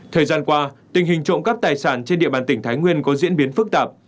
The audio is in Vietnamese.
thời gian qua tình hình trộm cắp tài sản trên địa bàn tỉnh thái nguyên có diễn biến phức tạp